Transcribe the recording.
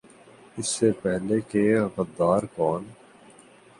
اس سے پہلے کہ "غدار کون؟